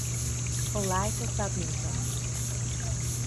A Life of Badminton".